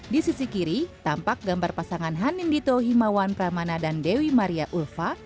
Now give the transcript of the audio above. di sisi kiri tampak gambar pasangan hanin dito himawan pramana dan dewi maria ulfa